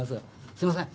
すいません